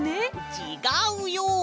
ちがうよ！